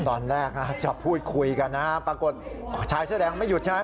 ตอนแรกจะพูดคุยกันนะฮะปรากฏชายเสื้อแดงไม่หยุดใช่ไหม